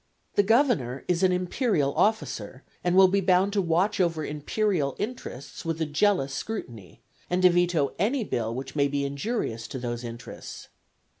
The governor is an imperial officer, and will be bound to watch over imperial interests with a jealous scrutiny, and to veto any bill which may be injurious to those interests.